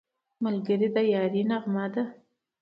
ملګری د یارۍ نغمه ده